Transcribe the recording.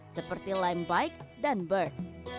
seperti limebike dan bird